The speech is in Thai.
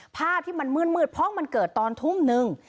ภาพที่มันมืดเพราะมันเกิดตอนทุ่มนึง